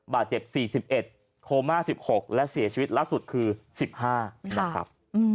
บาดเจ็บ๔๑๑๖และเสียชีวิตลักษณ์สุดคือ๑๕นะครับ